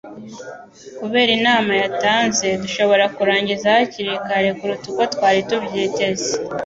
Kubera inama yatanze, dushobora kurangiza hakiri kare kuruta uko twari tubyiteze